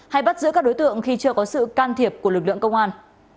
hay bắt giữ các đối tượng khi chưa có sự can thiệp của lực lượng công an